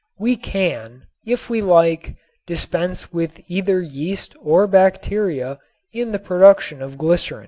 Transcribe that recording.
We can, if we like, dispense with either yeast or bacteria in the production of glycerin.